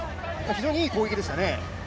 非常にいい攻撃でしたね。